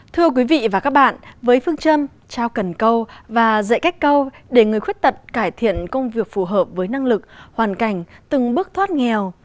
thưa quý vị và các bạn với phương châm trao cần câu và dạy cách câu để người khuyết tật cải thiện công việc phù hợp với năng lực hoàn cảnh từng bước thoát nghèo